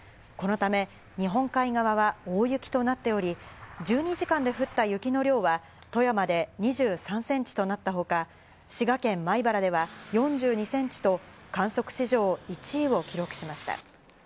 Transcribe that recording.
このため、日本海側は大雪となっており、１２時間で降った雪の量は、富山で２３センチとなったほか、滋賀県米原では４２センチと、観測史上１位を記録しました。